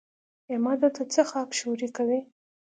احمده! ته څه خاک ښوري کوې؟